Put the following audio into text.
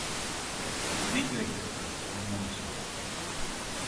Δίκιο έχει αυτός, μουρμούρισε.